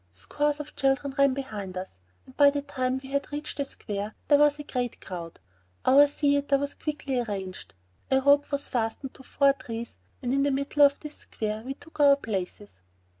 Scores of children ran behind us, and by the time we had reached the square, there was a great crowd. Our theater was quickly arranged. A rope was fastened to four trees and in the middle of this square we took our places.